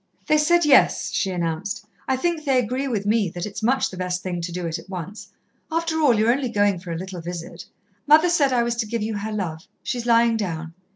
"They said yes," she announced. "I think they agree with me that it's much the best thing to do it at once. After all, you're only going for a little visit. Mother said I was to give you her love. She's lying down."